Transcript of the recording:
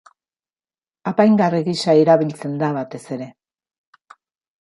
Apaingarri gisa erabiltzen da batez ere.